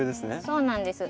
そうなんです。